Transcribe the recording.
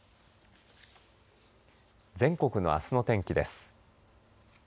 全国のあすの天気です。